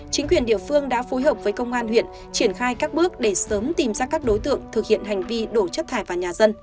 chính quyền địa phương đã phối hợp với công an huyện triển khai các bước để sớm tìm ra các đối tượng thực hiện hành vi đổ chất thải vào nhà dân